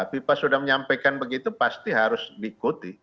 fifa sudah menyampaikan begitu pasti harus diikuti